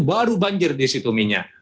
baru banjir di situ minyak